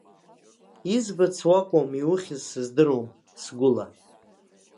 Избац уакәым, иухьыз сыздыруам, сгәыла.